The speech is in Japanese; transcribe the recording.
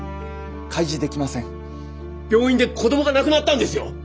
病院で子どもが亡くなったんですよ！